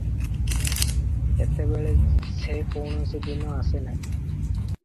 ଏତେବେଳେ ସେ କୌଣସି ଦିନ ଆସେ ନାହିଁ ।